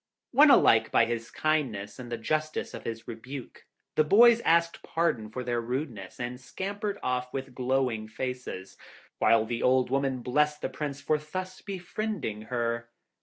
Won alike by his kindness and the justice of his rebuke, the boys asked pardon for their rudeness, and scampered off with glowing faces, while the old woman blessed the Prince for thus befriending her.